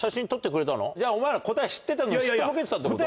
じゃあお前ら答え知ってたのに。